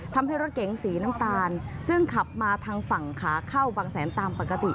ทำให้รถเก๋งสีน้ำตาลซึ่งขับมาทางฝั่งขาเข้าบางแสนตามปกติ